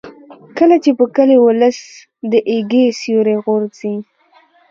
کله چې په کلي ولس د ایږې سیوری غورځي.